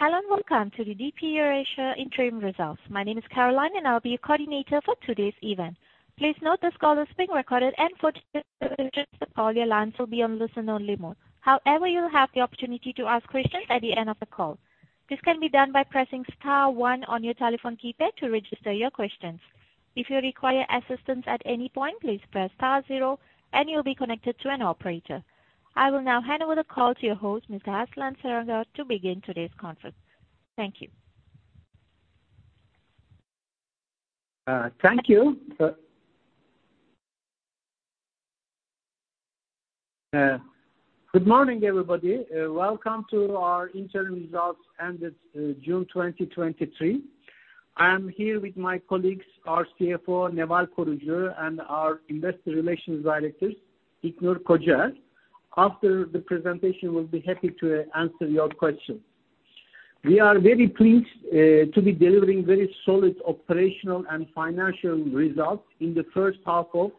Hello, and welcome to the DP Eurasia interim results. My name is Caroline, and I'll be your coordinator for today's event. Please note this call is being recorded and all your lines will be on listen-only mode. However, you'll have the opportunity to ask questions at the end of the call. This can be done by pressing star one on your telephone keypad to register your questions. If you require assistance at any point, please press star zero, and you'll be connected to an operator. I will now hand over the call to your host, Mr. Aslan Saranga, to begin today's conference. Thank you. Thank you. Good morning, everybody. Welcome to our Interim Results ended June 2023. I am here with my colleagues, our CFO, Neval Korucu Alpagut, and our Investor Relations Director, İlknur Kocaer. After the presentation, we'll be happy to answer your questions. We are very pleased to be delivering very solid operational and financial results in the first half of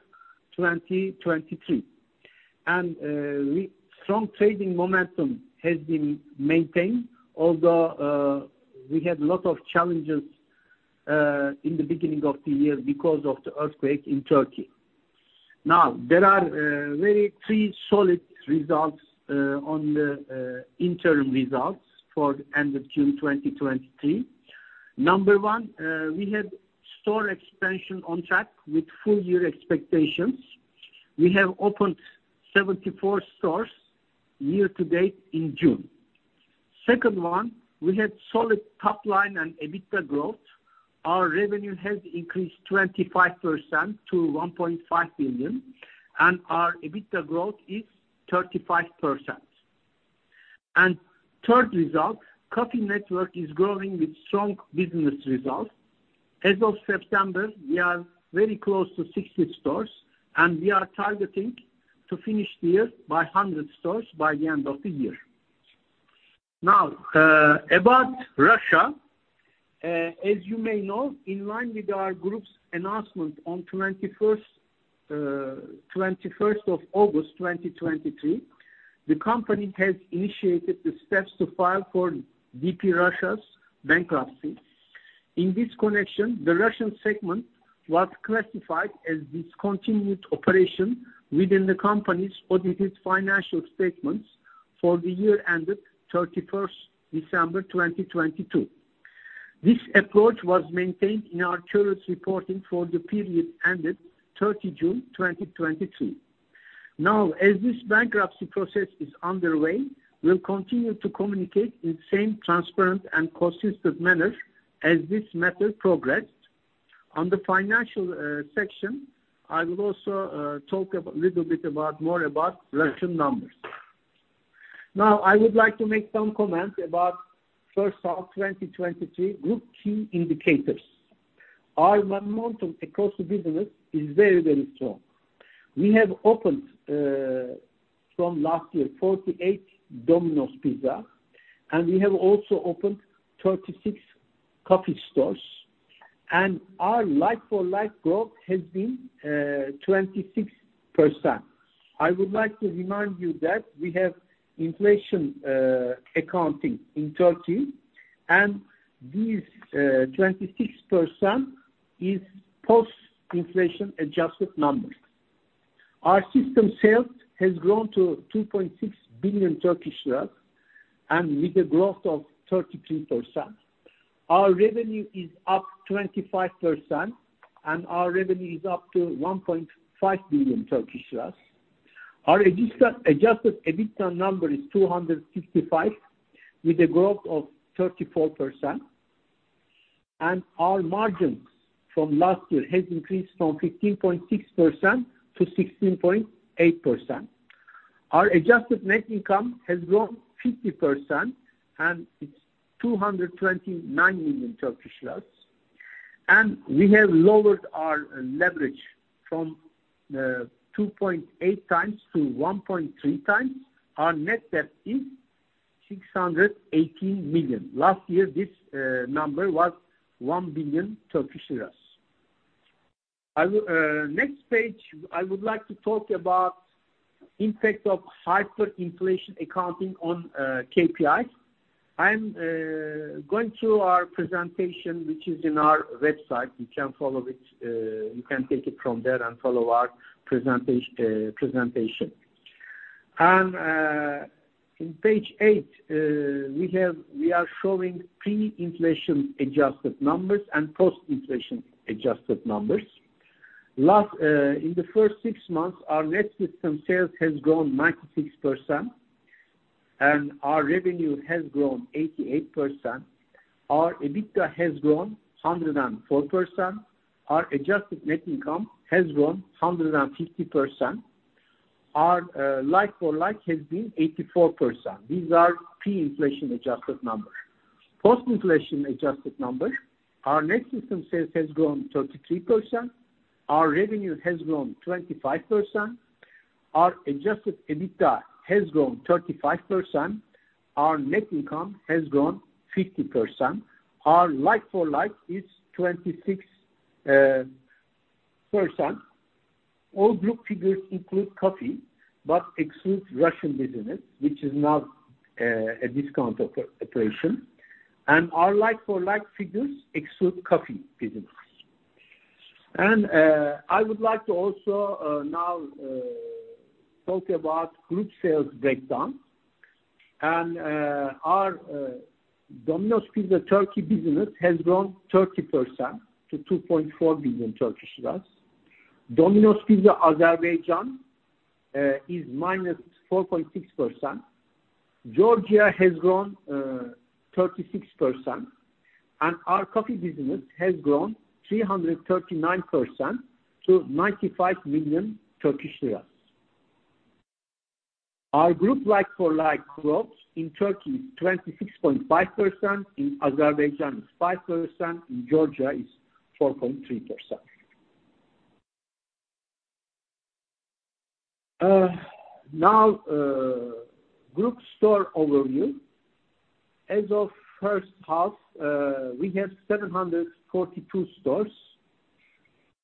2023. Strong trading momentum has been maintained, although we had a lot of challenges in the beginning of the year because of the earthquake in Turkey. Now, there are three very solid results on the interim results for end of June 2023. Number one, we had store expansion on track with full-year expectations. We have opened 74 stores year to date in June. Second one, we had solid top line and EBITDA growth. Our revenue has increased 25% to 1.5 billion, and our EBITDA growth is 35%. Third result, coffee network is growing with strong business results. As of September, we are very close to 60 stores, and we are targeting to finish the year by 100 stores by the end of the year. Now, about Russia. As you may know, in line with our group's announcement on 21st of August 2023, the company has initiated the steps to file for DP Russia's bankruptcy. In this connection, the Russian segment was classified as discontinued operation within the company's audited financial statements for the year ended 31st December 2022. This approach was maintained in our current reporting for the period ended 30 June 2023. Now, as this bankruptcy process is underway, we'll continue to communicate in same transparent and consistent manner as this matter progress. On the financial section, I will also talk a little bit about more about Russian numbers. Now, I would like to make some comments about first half 2023 group key indicators. Our momentum across the business is very, very strong. We have opened, from last year, 48 Domino's Pizza, and we have also opened 36 coffee stores, and our like-for-like growth has been 26%. I would like to remind you that we have inflation accounting in Turkey, and this 26% is post-inflation adjusted numbers. Our system sales has grown to 2.6 billion Turkish lira, and with a growth of 33%. Our revenue is up 25%, and our revenue is up to 1.5 billion. Our adjusted EBITDA number is 265, with a growth of 34%, and our margins from last year has increased from 15.6%-16.8%. Our adjusted net income has grown 50%, and it's 229 million. We have lowered our leverage from 2.8x-1.3x. Our net debt is 680 million. Last year, this number was 1 billion Turkish lira. Next page, I would like to talk about impact of hyperinflation accounting on KPIs. I'm going through our presentation, which is in our website. You can follow it, you can take it from there and follow our presentation. In page 8, we are showing pre-inflation adjusted numbers and post-inflation adjusted numbers. In the first six months, our net system sales has grown 96%, and our revenue has grown 88%. Our EBITDA has grown 104%. Our adjusted net income has grown 150%. Our like-for-like has been 84%. These are pre-inflation adjusted numbers. Post-inflation adjusted numbers, our net system sales has grown 33%, our revenue has grown 25%, our adjusted EBITDA has grown 35%, our net income has grown 50%, our like-for-like is 26. For the first time, all group figures include coffee, but excludes Russian business, which is now a discontinued operation. And our like-for-like figures exclude coffee business. And, I would like to also now talk about group sales breakdown. Our Domino's Pizza Turkey business has grown 30% to TRY 2.4 billion. Domino's Pizza Azerbaijan is -4.6%. Georgia has grown 36%, and our coffee business has grown 339% to TRY 95 million. Our group like-for-like growth in Turkey is 26.5%, in Azerbaijan is 5%, in Georgia is 4.3%. Now, group store overview. As of first half, we have 742 stores.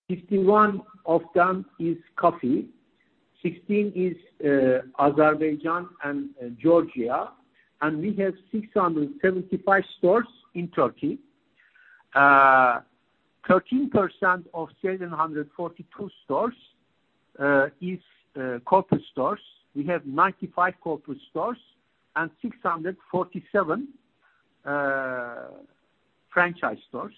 51 of them is coffee, 16 is Azerbaijan and Georgia, and we have 675 stores in Turkey. 13% of 742 stores is corporate stores. We have 95 corporate stores and 647 franchise stores.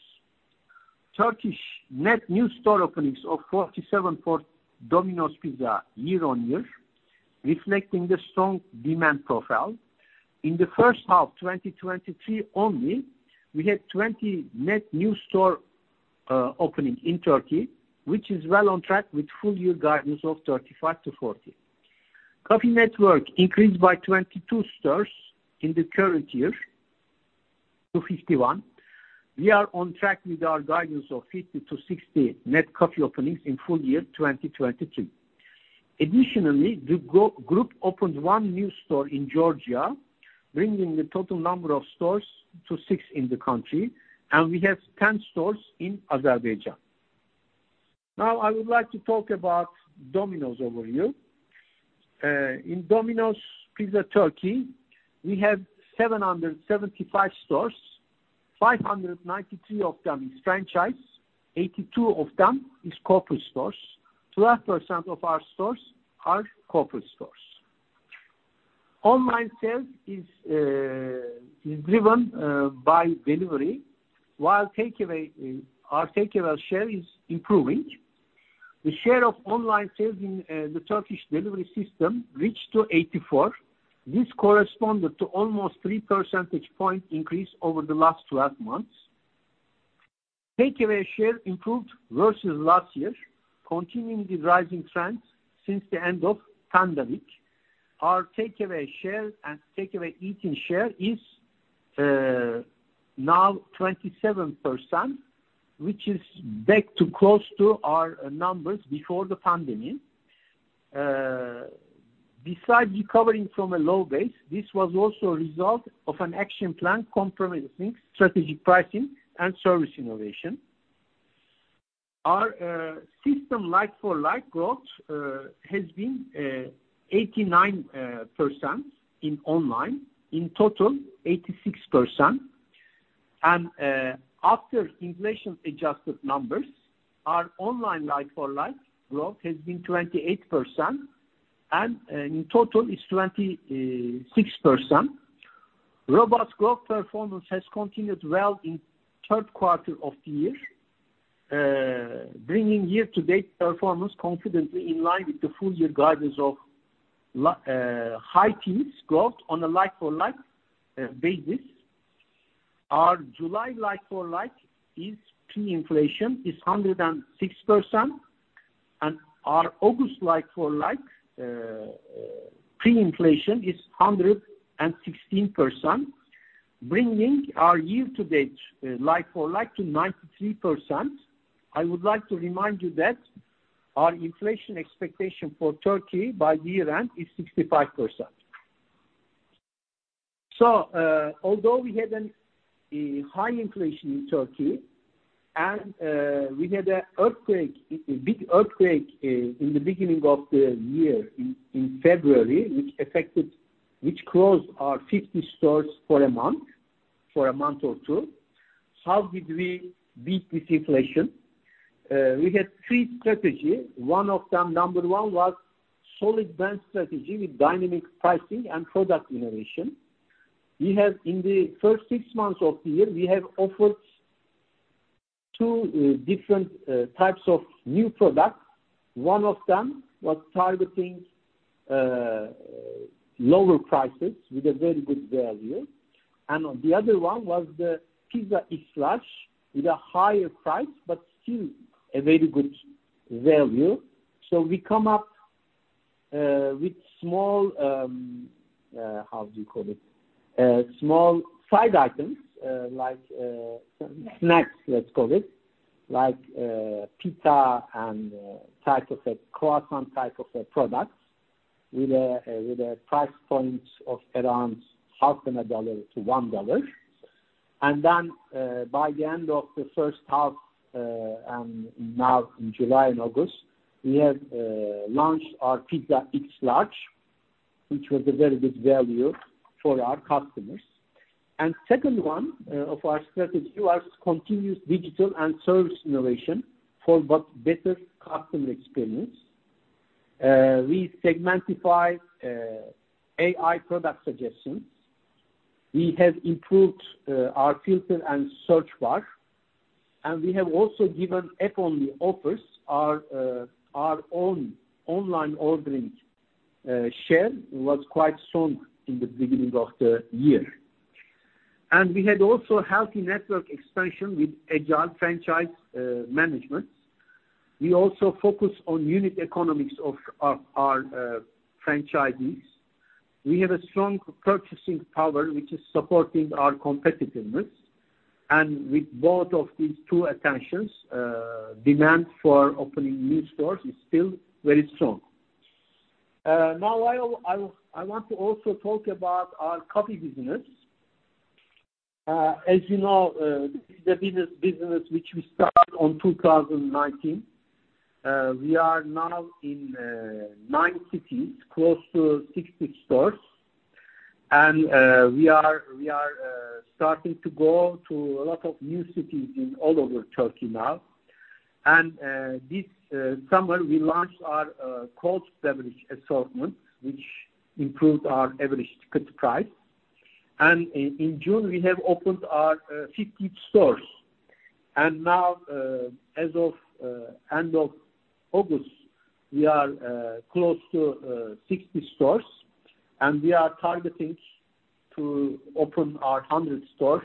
Turkish net new store openings of 47 for Domino's Pizza year on year, reflecting the strong demand profile. In the first half, 2023 only, we had 20 net new store opening in Turkey, which is well on track with full year guidance of 35-40. Coffee network increased by 22 stores in the current year to 51. We are on track with our guidance of 50-60 net coffee openings in full year, 2023. Additionally, the Group opened 1 new store in Georgia, bringing the total number of stores to 6 in the country, and we have 10 stores in Azerbaijan. Now, I would like to talk about Domino's overview. In Domino's Pizza Turkey, we have 775 stores. 593 of them is franchise, 82 of them is corporate stores. 12% of our stores are corporate stores. Online sales is driven by delivery. While takeaway, our takeaway share is improving, the share of online sales in the Turkish delivery system reached 84%. This corresponded to almost 3 percentage point increase over the last 12 months. Takeaway share improved versus last year, continuing the rising trend since the end of pandemic. Our takeaway share and takeaway eating share is now 27%, which is back to close to our numbers before the pandemic. Besides recovering from a low base, this was also a result of an action plan comprising strategic pricing and service innovation. Our system like for like growth has been 89% in online, in total 86%. After inflation adjusted numbers, our online like for like growth has been 28%, and in total is 26%. Robust growth performance has continued well in third quarter of the year, bringing year-to-date performance confidently in line with the full year guidance of high teens growth on a like-for-like basis. Our July like-for-like is pre-inflation, is 106%, and our August like-for-like, pre-inflation is 116%, bringing our year-to-date like-for-like to 93%. I would like to remind you that our inflation expectation for Turkey by year-end is 65%. Although we had a high inflation in Turkey and we had an earthquake, a big earthquake, in the beginning of the year in February, which affected- which closed our 50 stores for a month, for a month or two. How did we beat this inflation? We had three strategy. One of them, number one, was solid brand strategy with dynamic pricing and product innovation. We have in the first six months of the year, we have offered two different types of new products. One of them was targeting lower prices with a very good value, and the other one was the Pizzetta, with a higher price, but still a very good value. So we come up with small, how do you call it? Small side items, like snacks, let's call it, like pizza and type of a croissant type of a product, with a with a price point of around $0.50-$1. Then, by the end of the first half, now in July and August, we have launched our Pizza X Large, which was a very good value for our customers. Second one of our strategy was continuous digital and service innovation for what better customer experience. We Segmentify AI product suggestions. We have improved our filter and search bar, and we have also given app-only offers. Our own online ordering share was quite strong in the beginning of the year. And we had also healthy network expansion with agile franchise management. We also focus on unit economics of our franchisees. We have a strong purchasing power, which is supporting our competitiveness. And with both of these two attentions, demand for opening new stores is still very strong. Now I will, I will- I want to also talk about our COFFY business. As you know, the business, business which we started in 2019, we are now in nine cities, close to 60 stores. We are, we are starting to go to a lot of new cities all over Turkey now. This summer, we launched our cold beverage assortment, which improved our average ticket price. In June, we have opened our 50th store. Now, as of end of August, we are close to 60 stores, and we are targeting to open our 100th store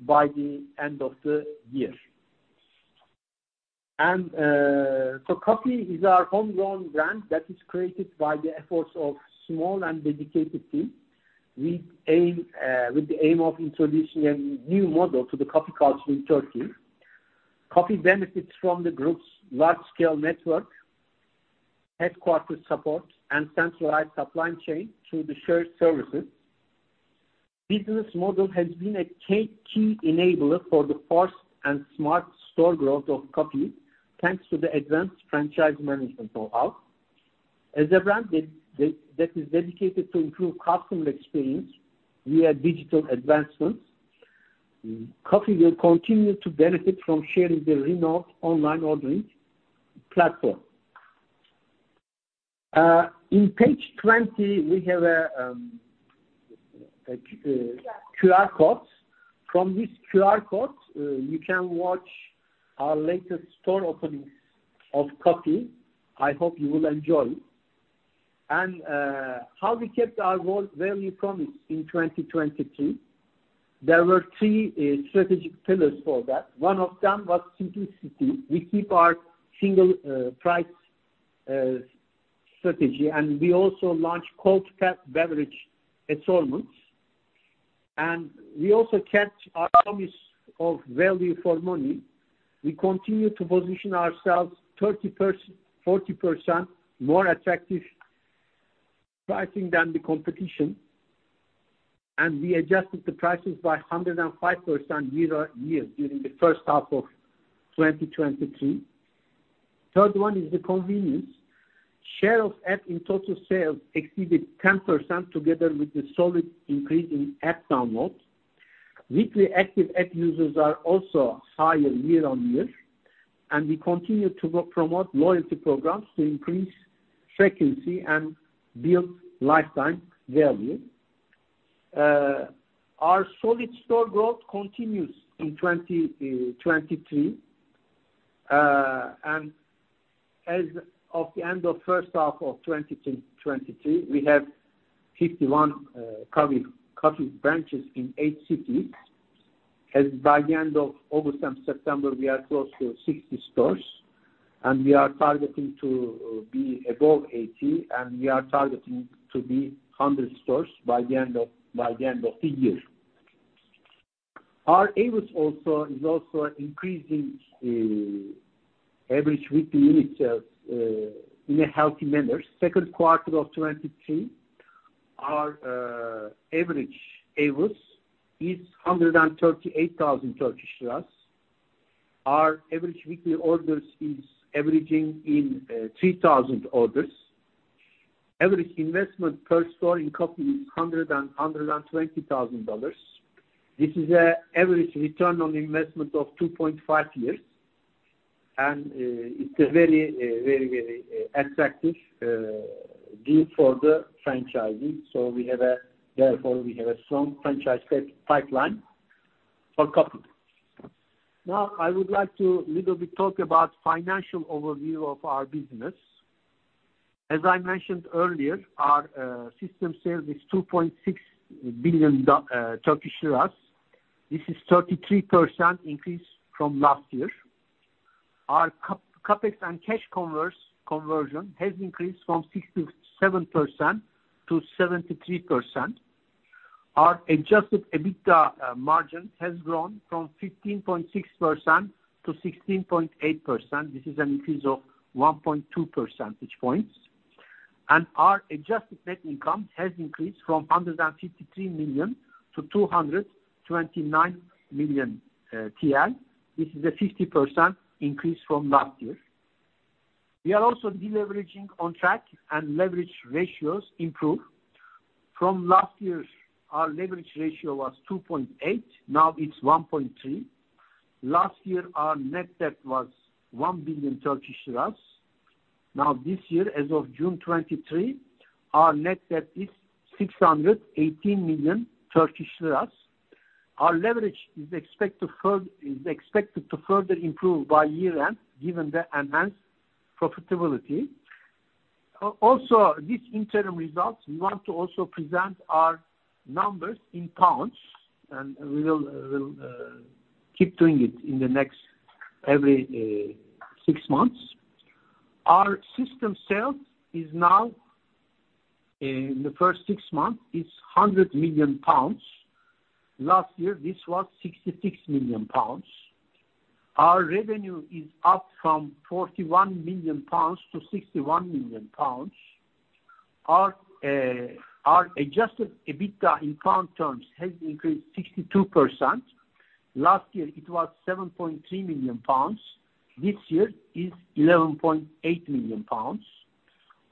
by the end of the year. COFFY is our homegrown brand that is created by the efforts of a small and dedicated team. We aim, with the aim of introducing a new model to the coffee culture in Turkey. COFFY benefits from the group's large-scale network, headquarters support, and centralized supply chain through the shared services. Business model has been a key, key enabler for the fast and smart store growth of COFFY, thanks to the advanced franchise management know-how. As a brand that is dedicated to improve customer experience via digital advancements, COFFY will continue to benefit from sharing the remote online ordering platform. In page 20, we have a QR code. From this QR code, you can watch our latest store openings of COFFY. I hope you will enjoy. And, how we kept our value promise in 2023, there were three strategic pillars for that. One of them was simplicity. We keep our single price strategy, and we also launched Cold Cup beverage assortments. We also kept our promise of value for money. We continue to position ourselves 30%-40% more attractive pricing than the competition, and we adjusted the prices by 105% year-on-year during the first half of 2023. The third one is the convenience. Share of app in total sales exceeded 10%, together with the solid increase in app downloads. Weekly active app users are also higher year-on-year, and we continue to promote loyalty programs to increase frequency and build lifetime value. Our solid store growth continues in 2023. And as of the end of the first half of 2022, we have 51 COFFY branches in eight cities. As by the end of August and September, we are close to 60 stores, and we are targeting to be above 80, and we are targeting to be 100 stores by the end of, by the end of the year. Our AWUS also is also increasing, average weekly unit sales, in a healthy manner. Second quarter of 2023, our average AWUS is 138,000 Turkish lira. Our average weekly orders is averaging in 3,000 orders. Average investment per store in COFFY is $120,000. This is an average return on investment of 2.5 years, and it's a very, very, very attractive deal for the franchising. So we have therefore we have a strong franchise pipeline for COFFY. Now, I would like to talk a little bit about financial overview of our business. As I mentioned earlier, our system sales is 2.6 billion Turkish lira. This is 33% increase from last year. Our CapEx and cash conversion has increased from 67% to 73%. Our adjusted EBITDA margin has grown from 15.6% to 16.8%. This is an increase of 1.2 percentage points. And our adjusted net income has increased from 153 million to 229 million TL. This is a 50% increase from last year. We are also deleveraging on track and leverage ratios improve. From last year, our leverage ratio was 2.8; now it's 1.3. Last year, our net debt was 1 billion Turkish lira. Now, this year, as of June 23, our net debt is 618 million Turkish lira. Our leverage is expected to further improve by year-end, given the enhanced profitability. Also, this interim results, we want to also present our numbers in pounds, and we will, we'll keep doing it every six months. Our System Sales is now, in the first six months is 100 million pounds. Last year, this was 66 million pounds. Our revenue is up from 41 million pounds to 61 million pounds. Our Adjusted EBITDA in pound terms has increased 62%. Last year it was 7.3 million pounds, this year it's 11.8 million pounds.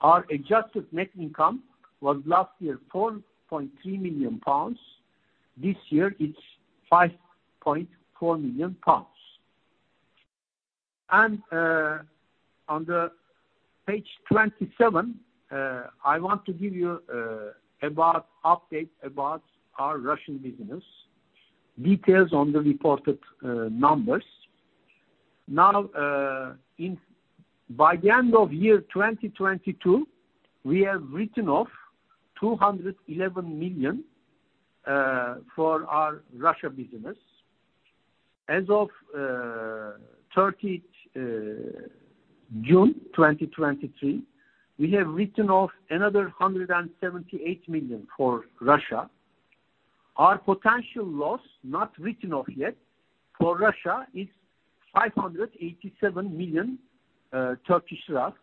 Our Adjusted Net Income was last year 4.3 million pounds, this year it's 5.4 million pounds. On page 27, I want to give you an update about our Russian business. Details on the reported numbers. Now, by the end of 2022, we have written off 211 million for our Russia business. As of 30 June 2023, we have written off another 178 million for Russia. Our potential loss, not written off yet, for Russia, is 587 million Turkish lira.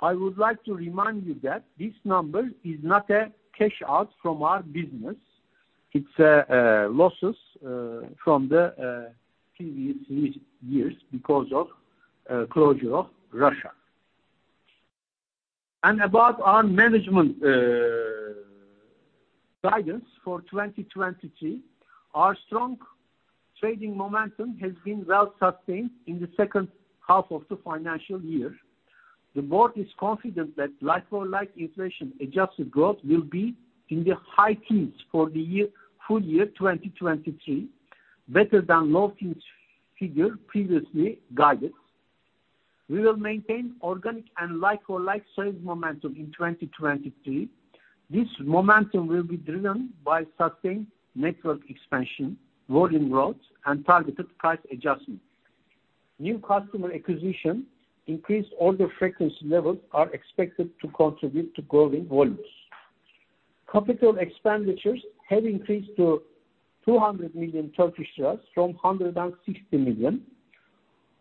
I would like to remind you that this number is not a cash out from our business. It's losses from the previous years because of the closure of Russia. About our management guidance for 2023, our strong trading momentum has been well sustained in the second half of the financial year. The board is confident that like-for-like inflation-adjusted growth will be in the high teens for the year, full year 2023, better than the low teens figure previously guided. We will maintain organic and like-for-like sales momentum in 2023. This momentum will be driven by sustained network expansion, volume growth, and targeted price adjustments. New customer acquisition and increased order frequency levels are expected to contribute to growing volumes. Capital expenditures have increased to TRY 200 million from TRY 160 million,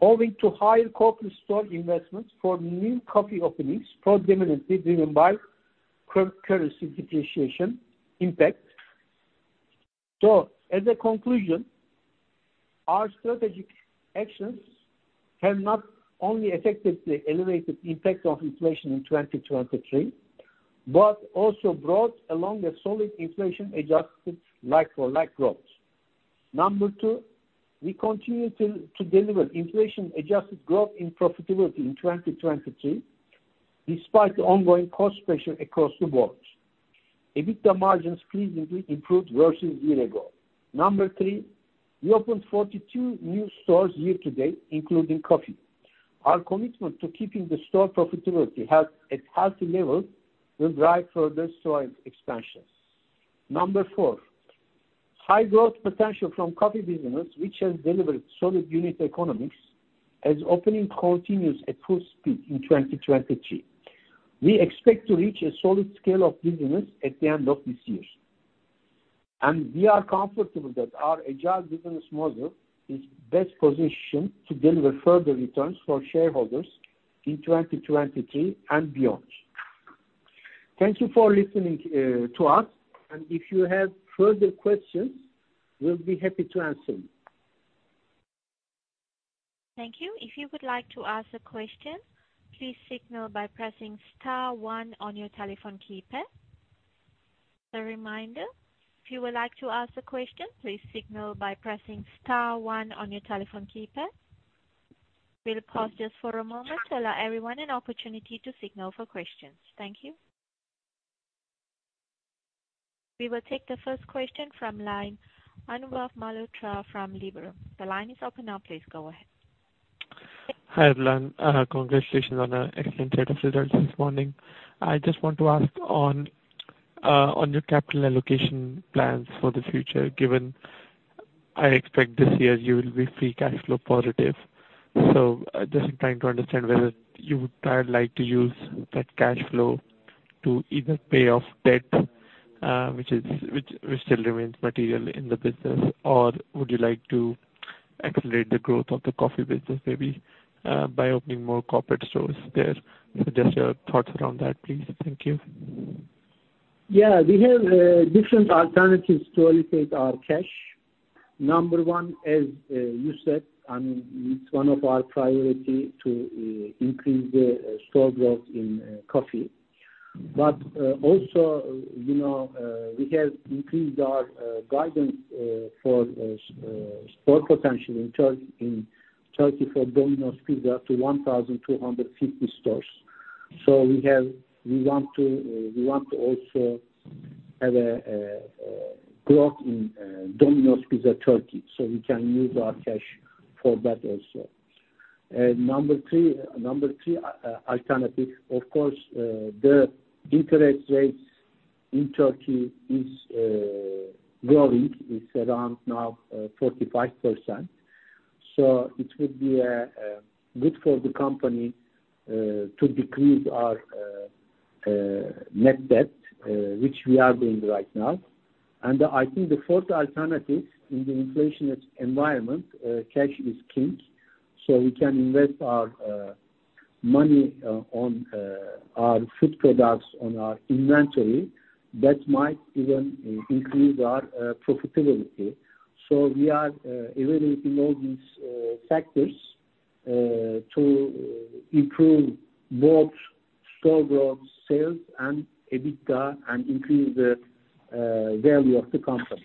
owing to higher coffee store investments for new coffee openings, predominantly driven by currency depreciation impact. As a conclusion, our strategic actions have not only effectively elevated the impact of inflation in 2023, but also brought along a solid inflation-adjusted, like-for-like growth. Number two, we continue to deliver inflation-adjusted growth in profitability in 2023, despite the ongoing cost pressure across the board. EBITDA margins pleasantly improved versus year ago. Number three, we opened 42 new stores year to date, including coffee. Our commitment to keeping the store profitability health at healthy level will drive further store expansions. Number four, high growth potential from the COFFY business, which has delivered solid unit economics, as opening continues at full speed in 2023. We expect to reach a solid scale of business at the end of this year. And we are comfortable that our agile business model is best positioned to deliver further returns for shareholders in 2023 and beyond. Thank you for listening, to us, and if you have further questions, we'll be happy to answer you. Thank you. If you would like to ask a question, please signal by pressing star one on your telephone keypad. A reminder, if you would like to ask a question, please signal by pressing star one on your telephone keypad. We'll pause just for a moment to allow everyone an opportunity to signal for questions. Thank you. We will take the first question from line, Anubhav Malhotra from Liberum. The line is open now. Please go ahead. Hi, everyone. Congratulations on an excellent set of results this morning. I just want to ask about your capital allocation plans for the future, given I expect this year you will be free cash flow positive. Just trying to understand whether you would like to use that cash flow to either pay off debt, which still remains material in the business, or would you like to accelerate the growth of the coffee business, maybe, by opening more corporate stores there. So just your thoughts around that, please. Thank you. We have different alternatives to allocate our cash. Number one, as you said, and it's one of our priority to increase the store growth in coffee. But also, you know, we have increased our guidance for store potential in Turkey for Domino's Pizza up to 1,250 stores. So we have, we want to also have a growth in Domino's Pizza Turkey, so we can use our cash for that also. Number three, alternatively, of course, the interest rates in Turkey is growing. It's around now 45%. So it would be good for the company to decrease our Net Debt, which we are doing right now. I think the fourth alternative in the inflationary environment, cash is king, so we can invest our money on our food products, on our inventory. That might even increase our profitability. We are evaluating all these factors to improve both store growth, sales and EBITDA, and increase the value of the company.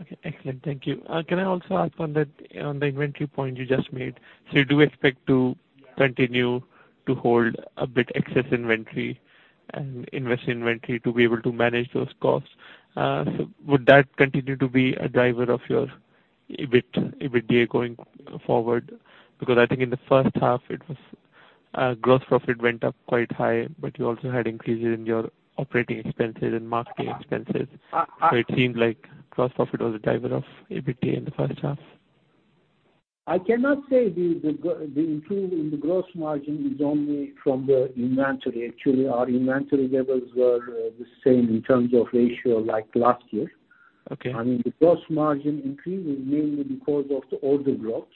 Okay, excellent. Thank you. Can I also ask on the inventory point you just made? You do expect to continue to hold a bit of excess inventory and invest in inventory to be able to manage those costs. Would that continue to be a driver of your EBIT, EBITDA going forward? I think in the first half, gross profit went up quite high, but you also had increases in your operating expenses and marketing expenses. It seemed like gross profit was a driver of EBITDA in the first half. I cannot say the improvement in the gross margin is only from the inventory. Actually, our inventory levels were the same in terms of ratio as last year. I mean, the gross margin increase is mainly because of the order growth,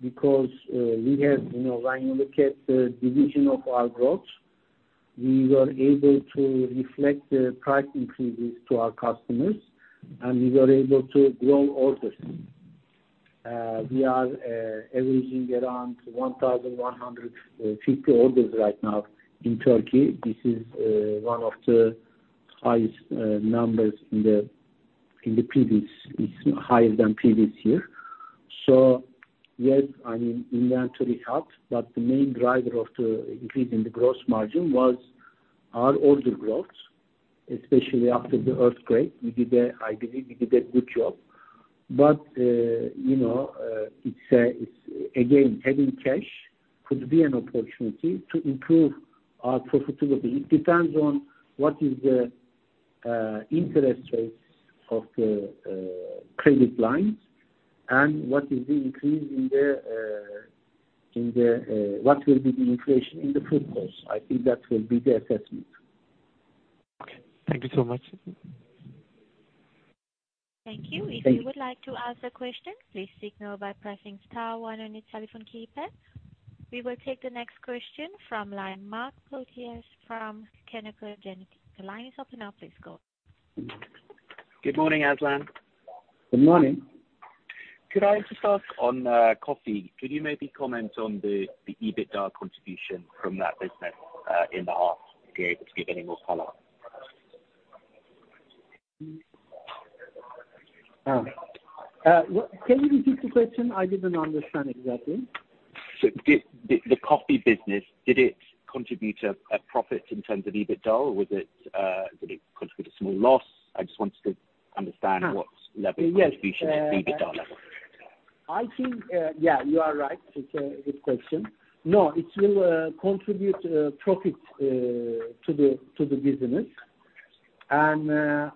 because we have when you look at the division of our growth, we were able to reflect the price increases to our customers, and we were able to grow orders. We are averaging around 1,150 orders right now in Turkey. This is one of the highest numbers in the previous. It's higher than previous year. Yes inventory helped, but the main driver of the increase in the gross margin was our order growth, especially after the earthquake. We did a, I believe we did a good job. But you know, it's again, having cash could be an opportunity to improve our profitability. It depends on what is the interest rates of the credit lines and what is the increase in the inflation in the food cost. I think that will be the assessment. Okay. Thank you so much. Thank you. Thank you. If you would like to ask a question, please signal by pressing star one on your telephone keypad. We will take the next question from the line, Mark Photiades from Canaccord Genuity. The line is open now. Please go. Good morning, Aslan. Good morning. Could I just ask on COFFY? Could you maybe comment on the EBITDA contribution from that business in the half, if you're able to give any more color? Can you repeat the question? I didn't understand exactly. So did the COFFY business, did it contribute a profit in terms of EBITDA, or was it, did it contribute a small loss? I just wanted to understand what level of contribution to EBITDA level. I think you are right. It's a good question. No, it will contribute profit to the business. Our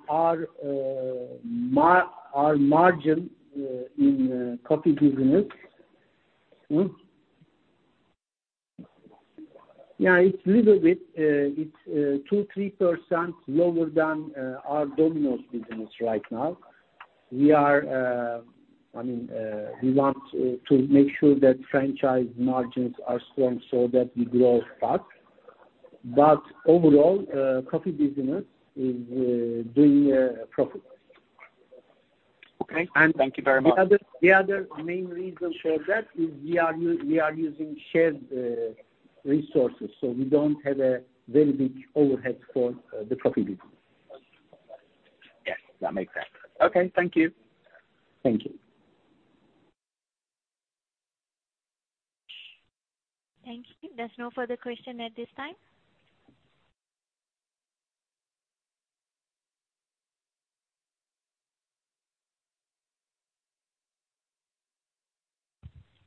margin in coffee business it's a little bit, it's 2%-3% lower than our Domino's business right now. We want to make sure that franchise margins are strong so that we grow fast. But overall, coffee business is doing profit. The other main reason for that is we are using shared resources, so we don't have a very big overhead for the coffee business. Yes, that makes sense. Okay, thank you. Thank you. Thank you. There's no further question at this time.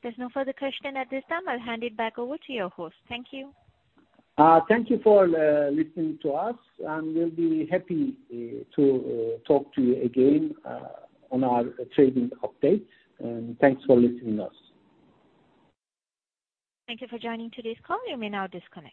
There's no further question at this time. I'll hand it back over to your host. Thank you. Thank you for listening to us, and we'll be happy to talk to you again on our trading update, and thanks for listening to us. Thank you for joining today's call. You may now disconnect.